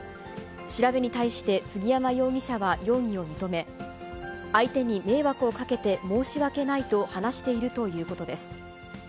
調べに対して杉山容疑者は容疑を認め、相手に迷惑をかけて申し訳ないと話しているということです。